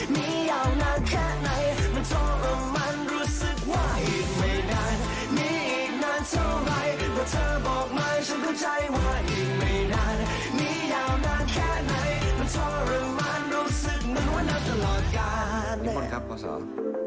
มียาวนานแค่ไหนมันทรมานรู้สึกเหมือนว่านับตลอดการณ์นี่คุณครับขอสอบ